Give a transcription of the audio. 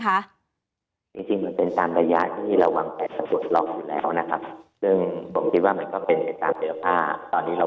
ค่ะจริงมันเป็นสามระยะที่เราวางแผนสวดล็อคอยู่แล้ว